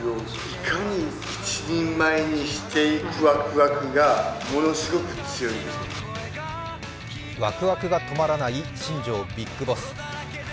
ワクワクが止まらない新庄ビッグボス。